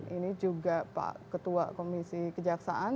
ini juga pak ketua komisi kejaksaan